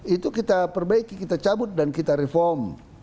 itu kita perbaiki kita cabut dan kita reform